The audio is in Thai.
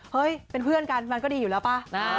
เฮ้ยเป็นเพื่อนกันมันก็ดีอยู่แล้วป่ะ